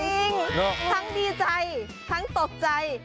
จริงทั้งดีใจทั้งตกใจ